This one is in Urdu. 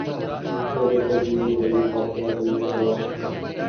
پھر ایک عجیب و غریب واقعہ رُونما ہوا